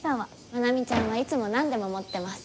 愛未ちゃんはいつも何でも持ってます。